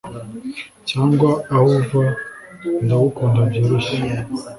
cyangwa aho uva Ndagukund byoroshye